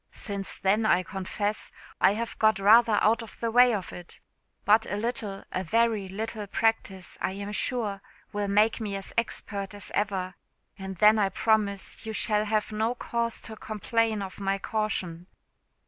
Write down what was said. Since then, I confess I have got rather out of the way of it; but a little, a very little practice, I am sure, will make me as expert as ever; and then I promise you shall have no cause to complain of my caution."